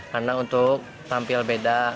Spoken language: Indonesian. karena untuk tampil beda